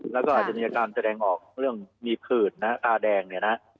แล้วก็อาจจะมีอาการแสดงออกเรื่องมีผืดนะฮะตาแดงเนี่ยนะ